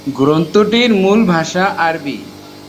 গ্রন্থটির মূল ভাষা আরবি।